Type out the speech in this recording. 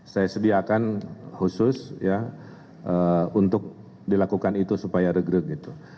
saya sediakan khusus ya untuk dilakukan itu supaya regrek gitu